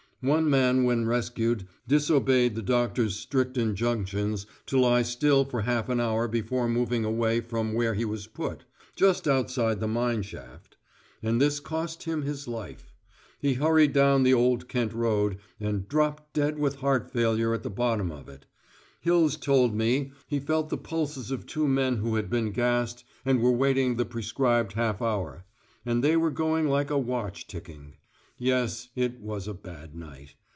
One man when rescued disobeyed the doctor's strict injunctions to lie still for half an hour before moving away from where he was put, just outside the mine shaft; and this cost him his life. He hurried down the Old Kent Road, and dropped dead with heart failure at the bottom of it. Hills told me he felt the pulses of two men who had been gassed and were waiting the prescribed half hour; and they were going like a watch ticking. Yes, it was a bad night.